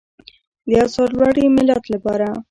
د یو سرلوړي ملت لپاره.